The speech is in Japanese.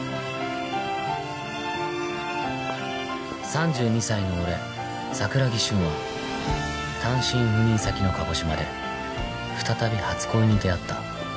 ３２歳の俺桜木舜は単身赴任先の鹿児島で再び初恋に出会った